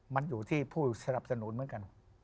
มันอยู่ที่ผู้สนับสนุนเหมือนกัน